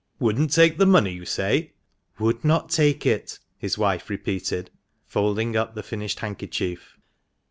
" Wouldn't take the money, you say ?"" Would not take it," his wife repeated, folding up the finished handkerchief.